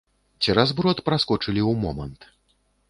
Цераз брод праскочылі ў момант.